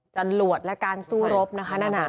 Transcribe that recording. จรรหลวดและการสู้รบนะค่ะ